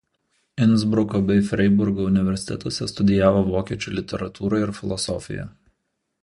Insbruko bei Freiburgo universitetuose studijavo vokiečių literatūrą ir filosofiją.